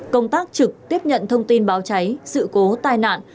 công tác trực tiếp nhận thông tin báo cháy sự cố tai nạn